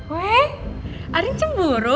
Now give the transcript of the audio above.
weh arin cemburu